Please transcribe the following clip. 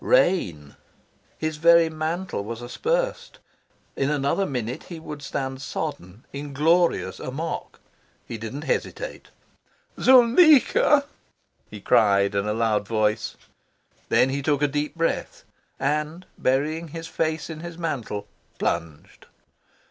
Rain! His very mantle was aspersed. In another minute he would stand sodden, inglorious, a mock. He didn't hesitate. "Zuleika!" he cried in a loud voice. Then he took a deep breath, and, burying his face in his mantle, plunged.